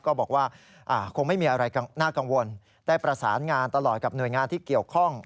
ก็บอกว่าคงไม่มีอะไรน่ากังวลได้ประสานงานตลอดกับหน่วยงานที่เกี่ยวข้อง